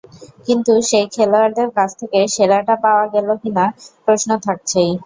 কিন্তু সেই খেলোয়াড়দের কাছ থেকে সেরাটা পাওয়া গেল কিনা প্রশ্ন থাকছেই।